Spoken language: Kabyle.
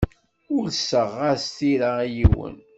Ulseɣ-as tira i yiwen.